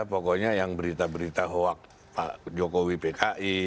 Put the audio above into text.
pokoknya yang berita berita hoak pak jokowi pki